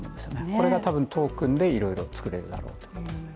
これが多分トークンでいろいろ作れるだろうと思いますね。